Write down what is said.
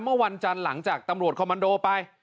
เมื่อวันจันทร์หลังจากตำรวจคอมมันโดไป